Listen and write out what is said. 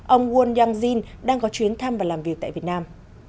ông won yang jin đang có chuyến thăm và làm việc tại việt nam